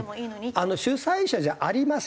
「主催者じゃありません」